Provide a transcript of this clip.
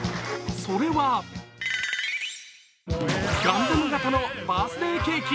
それはガンダム型のバースデーケーキ。